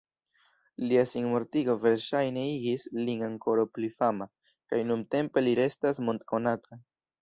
Lia sinmortigo verŝajne igis lin ankoraŭ pli fama, kaj nuntempe li restas mond-konata.